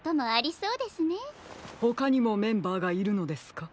ほかにもメンバーがいるのですか？